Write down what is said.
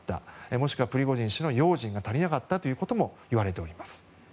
もしくは、プリゴジン氏の用心が足りなかったということも言われております。